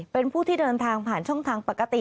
เป็นผู้ที่เดินทางผ่านช่องทางปกติ